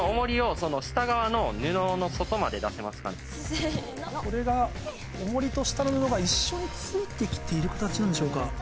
・せの・これが重りと下の布が一緒について来ている形なんでしょうか。